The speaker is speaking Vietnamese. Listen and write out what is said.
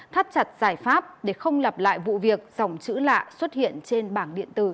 thắt chặt giải pháp để không lặp lại vụ việc dòng chữ lạ xuất hiện trên bảng điện tử